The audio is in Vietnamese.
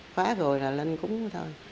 khóa rồi là lên cúng thôi